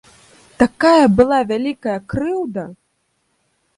Такая была вялікая крыўда!